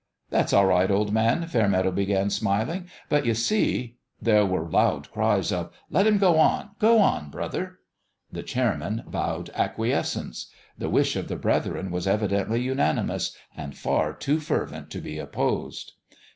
" That's all right, old man," Fairmeadow be gan, smiling ;" but you see " There were loud cries of " Let him go on 1 Go on, brother !" The chairman bowed acquiescence : the wish 340 IN HIS OWN BEHALF of the brethren was evidently unanimous and far too fervent to be opposed.